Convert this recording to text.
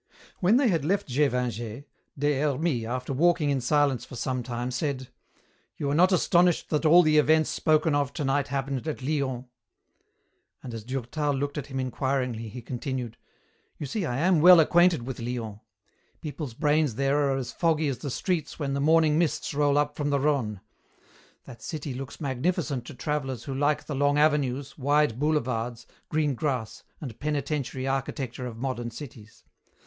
When they had left Gévingey, Des Hermies, after walking in silence for some time, said, "You are not astonished that all the events spoken of tonight happened at Lyons." And as Durtal looked at him inquiringly, he continued, "You see I am well acquainted with Lyons. People's brains there are as foggy as the streets when the morning mists roll up from the Rhone. That city looks magnificent to travellers who like the long avenues, wide boulevards, green grass, and penitentiary architecture of modern cities.